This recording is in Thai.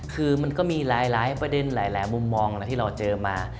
คือมันก็มีหลายประเด็นหลายมุมมองนะที่เราเจอมา